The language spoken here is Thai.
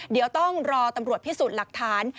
เดี๋ยวต้องรอตำรวจพิสูจน์หลักฐาน